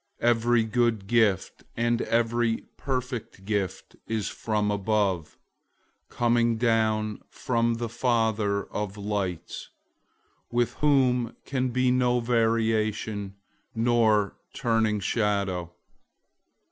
001:017 Every good gift and every perfect gift is from above, coming down from the Father of lights, with whom can be no variation, nor turning shadow.